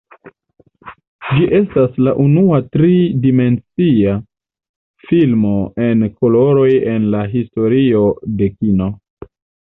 Ĝi estas la unua tri-dimensia filmo en koloroj en la historio de kino.